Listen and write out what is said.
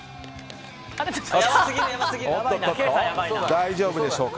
大丈夫でしょうか。